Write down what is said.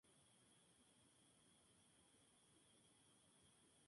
A menudo actuaba junto a su hermano menor.